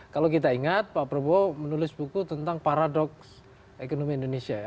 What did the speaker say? kalau kita ingat pak prabowo menulis buku tentang paradoks ekonomi indonesia ya